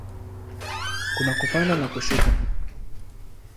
Kuna kupanda na kushuka.